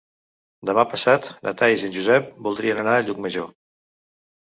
Demà passat na Thaís i en Josep voldrien anar a Llucmajor.